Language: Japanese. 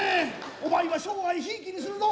お前は生涯ひいきにするぞ！